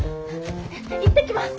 行ってきます。